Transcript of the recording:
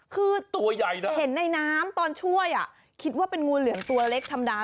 คือเห็นนายน้ำก่อนช่วยตัวใหญ่นะครับว่าเป็นงูเหลืองตัวเล็กธรรมดา